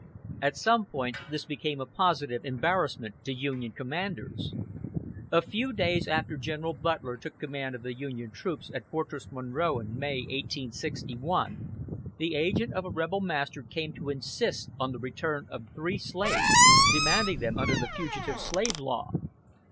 At some points this became a positive embarrassment to Union commanders. A few days after General Butler took command of the Union troops at Fortress Monroe in May, 1861, the agent of a rebel master came to insist on the return of three slaves, demanding them under the fugitive slave law.